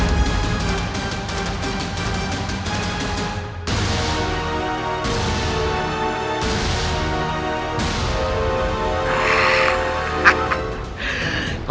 neng mau ke temen temen kita